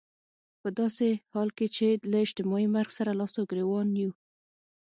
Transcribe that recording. په داسې حال کې چې له اجتماعي مرګ سره لاس او ګرېوان يو.